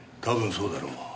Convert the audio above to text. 多分そうだろう。